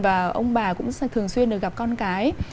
và ông bà cũng thường xuyên được gặp con cái